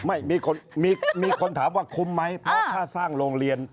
ไม่มีคนมีคนถามว่าคุ้มไหมเพราะถ้าสร้างโรงเรียน